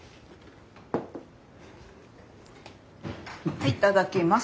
はいいただきます。